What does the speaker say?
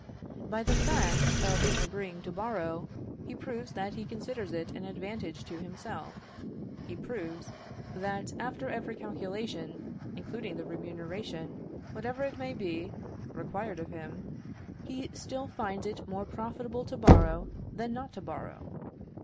By the fact of his agreeing to borrow, he proves that he considers it an advantage to himself; he proves, that after every calculation, including the remuneration, whatever it may be, required of him, he still finds it more profitable to borrow than not to borrow.